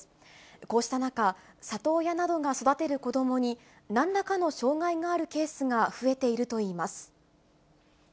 こうした中、里親などが育てる子どもに、なんらかの障害があるケースが増えているといいます。